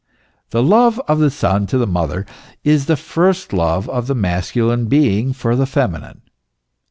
The love of the son to the mother is the first love of the masculine being for the feminine.